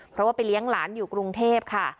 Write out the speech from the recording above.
เพราะว่าไปเลี้ยงหลานอยู่กรุงเทพค่ะ